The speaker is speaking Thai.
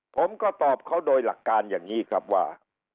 ผมก็ตอบเขาโดยหลักการอย่างนี้ครับว่า